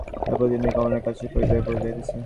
এখন প্রতিদিন কমলা তাহার কাছে ধরা পড়িয়া যাইতেছে।